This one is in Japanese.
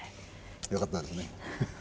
よかったですね。